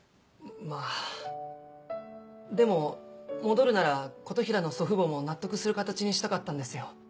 まぁでも戻るなら琴平の祖父母も納得する形にしたかったんですよ。